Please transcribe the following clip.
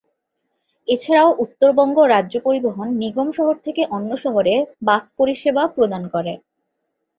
এছাড়াও উত্তরবঙ্গ রাজ্য পরিবহন নিগম শহর থকে অন্য শহরে বাস পরিসেবা প্রদান করে।